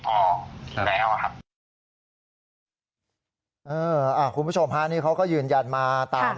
ออกแล้วอ่ะครับเอออ่าคุณผู้ชมฮะนี่เขาก็ยืนยันมาตาม